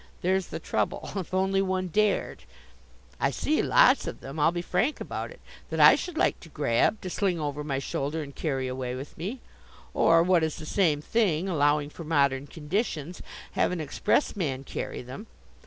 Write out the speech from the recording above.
There's the trouble; if one only dared! I see lots of them I'll be frank about it that I should like to grab, to sling over my shoulder and carry away with me; or, what is the same thing, allowing for modern conditions, have an express man carry them.